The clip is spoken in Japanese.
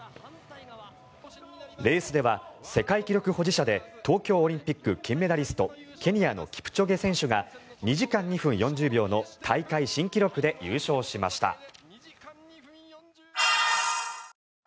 レースでは、世界記録保持者で東京オリンピック金メダリストケニアのキプチョゲ選手が２時間２分４０秒の大会新記録で優勝しました。